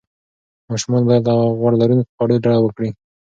ماشومان باید له غوړ لروونکو خوړو ډډه وکړي.